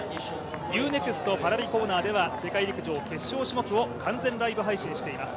Ｕ−ＮＥＸＴＰａｒａｖｉコーナーでは世界陸上決勝種目を完全ライブ配信しています。